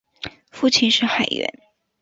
父亲是海员。